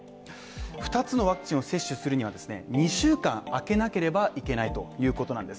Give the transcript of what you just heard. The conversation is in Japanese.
二つのワクチンを接種するにはですね、２週間空けなければいけないということなんです